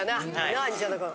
なあ西畑君。